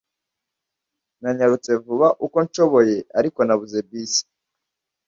Nanyarutse vuba uko nshoboye, ariko nabuze bisi.